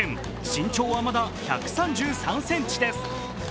身長はまだ１３３ｃｍです。